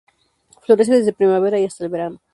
Florece desde primavera y hasta el verano.